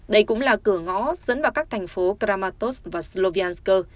đây cũng là cửa ngó dẫn vào các thành phố kramatorsk và slovyansk